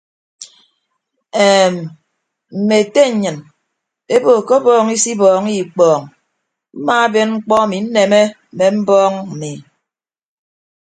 Eem mme ete nnyịn ebo ke ọbọọñ isibọọñọ ikpọọñ mmaaben mkpọ emi nneme mme mbọọñ mmi.